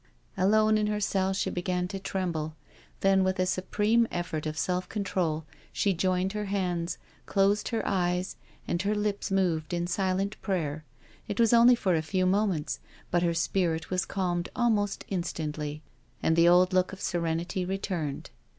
Alone in her cell she began to tremble— then with a supreme effort of self control she joined her hands, closed her eyes, and her lips moved in silent prayer. It was only for a few moments, but her spirit was calmed almost instantly, and the old look of serenity returned.